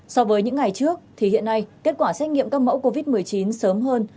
so với những ngày trước thì hiện nay kết quả xét nghiệm các mẫu covid một mươi chín sớm hơn